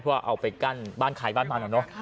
เพื่อเอาไปกั้นบ้านขายบ้านมาหน่อยเนอะ